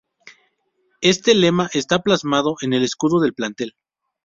Este lema está plasmado en el escudo del plantel.